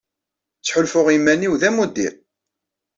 Ttḥulfuɣ i yiman-inu d amuddir.